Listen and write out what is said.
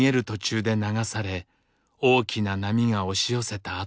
途中で流され大きな波が押し寄せた